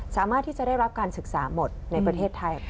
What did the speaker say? สามารถที่จะได้รับการศึกษาหมดในประเทศไทย